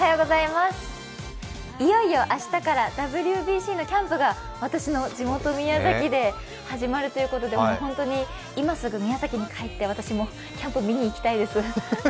いよいよ明日からＷＢＣのキャンプが私の地元・宮崎で始まるということで本当に今すぐ宮崎に帰って私もキャンプ見に行きたいです。